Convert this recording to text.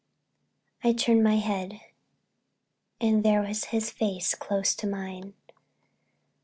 I turned my head and there was his face close to mine.